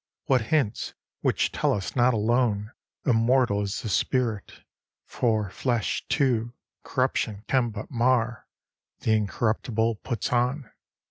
What hints, which tell us not alone Immortal is the spirit, for Flesh too, corruption can but mar, The incorruptible puts on.